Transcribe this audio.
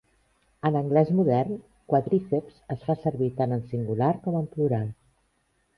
En anglès modern, "quàdriceps" es fa servir tant en singular com en plural.